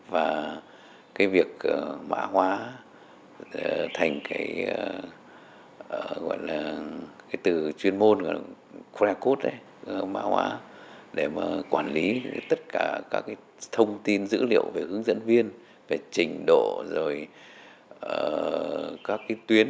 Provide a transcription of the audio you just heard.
và cái việc mã hóa thành cái gọi là từ chuyên môn mã hóa để mà quản lý tất cả các cái thông tin dữ liệu về hướng dẫn viên về trình độ rồi các cái tuyến